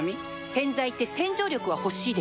洗剤って洗浄力は欲しいでしょ